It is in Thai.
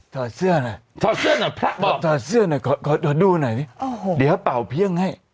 เธอเชื่อหน่อยเธอเชื่อหน่อยพระบอกเธอเชื่อหน่อยขอดูหน่อยสิเดี๋ยวป่าวเพี้ยงให้